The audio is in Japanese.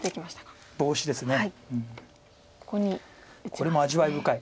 これも味わい深い。